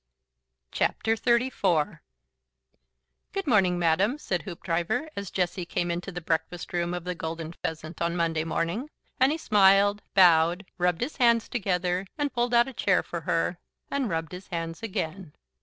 XXXIV. "Good morning, Madam," said Hoopdriver, as Jessie came into the breakfast room of the Golden Pheasant on Monday morning, and he smiled, bowed, rubbed his hands together, and pulled out a chair for her, and rubbed his hands again.